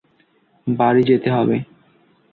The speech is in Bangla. বাড়ি যেতে হবে!